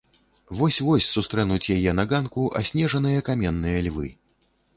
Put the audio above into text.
Вось-вось сустрэнуць яе на ганку аснежаныя каменныя львы.